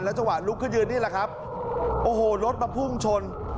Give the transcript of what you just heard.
จังหวะลุกขึ้นยืนนี่แหละครับโอ้โหรถมาพุ่งชน